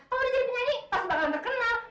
kalau dia jadi penyanyi pasti bakalan terkenal